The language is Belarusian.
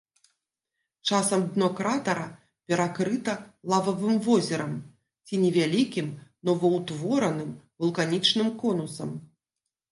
Часам дно кратара перакрыта лававым возерам ці невялікім новаўтвораным вулканічным конусам.